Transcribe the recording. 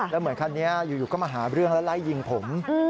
แล้วเหมือนคันนี้อยู่ก็มาหาเรื่องแล้วไล่ยิงผม